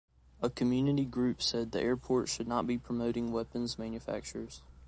A community group said the airport should not be promoting weapons manufacturers.